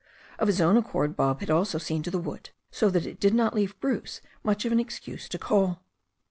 Of his own accord Bob had also seen to the wood, so that it did not leave Bruce much of an excuse to call.